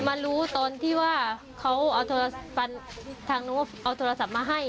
มันรู้ตอนที่ว่าเขาเอาโทรศัพท์มาให้